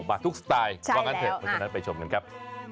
มาทุกสไตล์ว่ากันเถอะไปชมกันครับ